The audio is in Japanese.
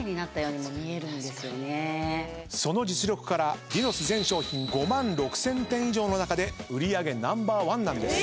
その実力からディノス全商品５万６，０００点以上の中で売り上げナンバーワンなんです。